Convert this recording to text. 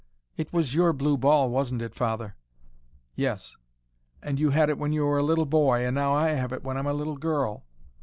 "It was your blue ball, wasn't it, father?" "Yes." "And you had it when you were a little boy, and now I have it when I'm a little girl."